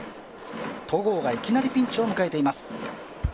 戸郷がいきなりピンチを迎えています。